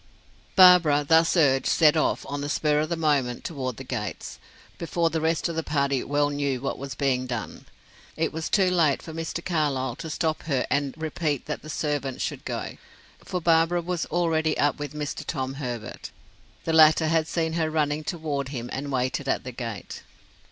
Barbara, thus urged, set off, on the spur of the moment, toward the gates, before the rest of the party well knew what was being done. It was too late for Mr. Carlyle to stop her and repeat that the servant should go, for Barbara was already up with Mr. Tom Herbert. The latter had seen her running toward him, and waited at the gate.